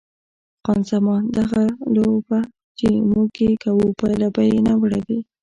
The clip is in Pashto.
خان زمان: دغه لوبه چې موږ یې کوو پایله به یې ناوړه وي.